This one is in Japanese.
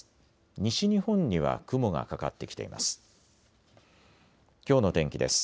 西日本には雲がかかってきています。